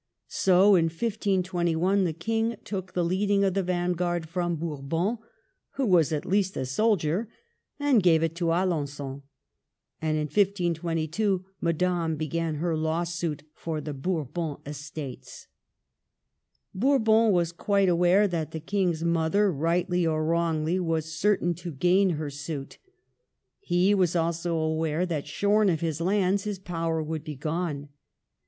So in 1521 the King took the leading of the Vanguard from Bourbon, who was at least a soldier, and gave it to Alengon ; and in 1522 Madame began her lawsuit for the Bourbon estates. Bourbon was quite aware that the King's mother, rightly or wrongly, was certain to gain her suit. He was also aware that, shorn of his lands, his power would be gone.